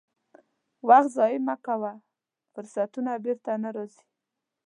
وخت ضایع مه کوه، فرصتونه بیرته نه راځي.